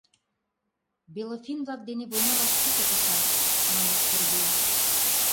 — Белофинн-влак дене война вашке пытышаш, — манеш Сергей.